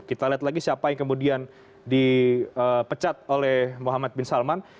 kita lihat lagi siapa yang kemudian dipecat oleh muhammad bin salman